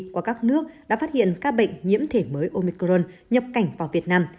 qua các nước đã phát hiện các bệnh nhiễm thể mới omicron nhập cảnh vào việt nam